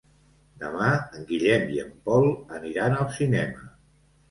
Demà en Guillem i en Pol aniran al cinema.